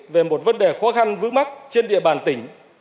về một vấn đề khó khăn vướng mắt trên địa bàn tỉnh